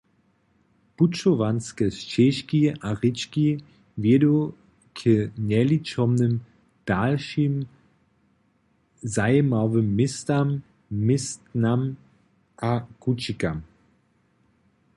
Pućowanske šćežki a rěčki wjedu k njeličomnym dalšim zajimawym městam, městnam a kućikam.